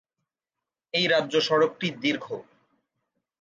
এই রাজ্য সড়কটি দীর্ঘ।